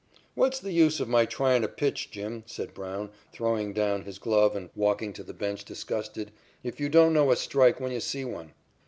"What's the use of my tryin' to pitch, Jim," said Brown, throwing down his glove and walking to the bench disgusted, "if you don't know a strike when you see one?"